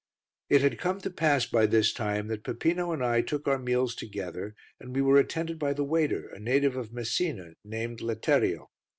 It had come to pass by this time that Peppino and I took our meals together and we were attended by the waiter, a native of Messina, named Letterio.